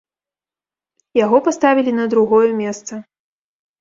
Яго паставілі на другое месца.